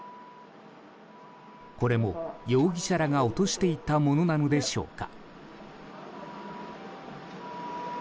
これも、容疑者らが落としていったものなのでしょうか。